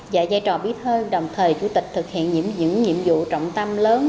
và giai trò bí thư đồng thời chủ tịch thực hiện những nhiệm vụ trọng tâm lớn